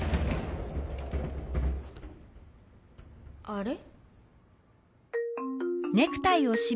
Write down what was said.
あれ？